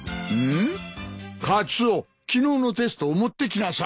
カツオ昨日のテストを持ってきなさい。